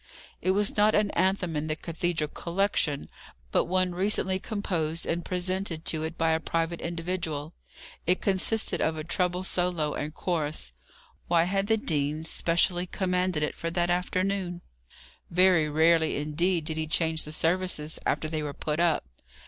It was not an anthem in the cathedral collection, but one recently composed and presented to it by a private individual. It consisted of a treble solo and chorus. Why had the dean specially commanded it for that afternoon? Very rarely indeed did he change the services after they were put up.